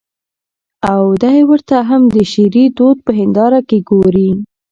او دى ورته هم د شعري دود په هېنداره کې ګوري.